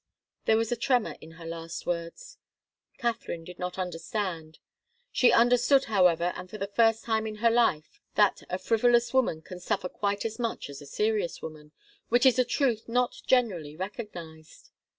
There was a tremor in her last words. Katharine did not understand. She understood, however, and for the first time in her life, that a frivolous woman can suffer quite as much as a serious one which is a truth not generally recognized.